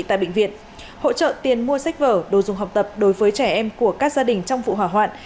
tại bệnh viện hỗ trợ tiền mua sách vở đồ dùng học tập đối với trẻ em của các gia đình trong vụ hỏa hoạn